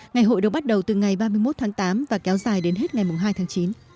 ngày hội được bắt đầu từ ngày ba mươi một tháng tám và kéo dài đến hết ngày hai tháng chín